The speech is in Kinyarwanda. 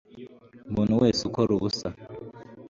umuntu wese ukora ubusa